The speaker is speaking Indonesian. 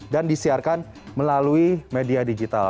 dan disiarkan melalui media digital